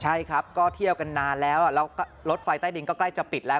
ใช่ครับก็เที่ยวกันนานแล้วแล้วรถไฟใต้ดินก็ใกล้จะปิดแล้ว